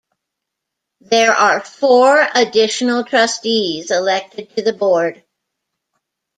There are four additional trustees elected to the Board.